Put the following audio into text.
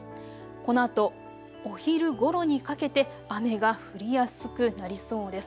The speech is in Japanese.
このあとお昼ごろにかけて雨が降りやすくなりそうです。